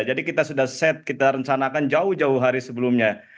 jadi kita sudah set kita rencanakan jauh jauh hari sebelumnya